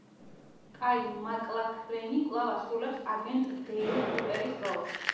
კაილ მაკლაქლენი კვლავ ასრულებს აგენტ დეილ კუპერის როლს.